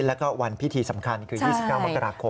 แล้วก็วันพิธีสำคัญคือ๒๙มกราคม